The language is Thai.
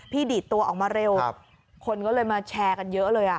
พี่ดีดตัวออกมาเร็วครับคนก็เลยมาแชร์กันเยอะเลยอ่ะ